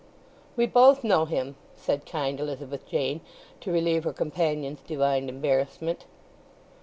"We both know him," said kind Elizabeth Jane, to relieve her companion's divined embarrassment.